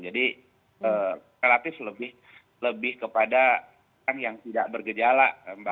jadi relatif lebih kepada yang tidak bergejala